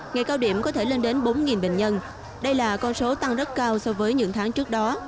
ngày cao điểm có thể lên đến bốn bệnh nhân đây là con số tăng rất cao so với những tháng trước đó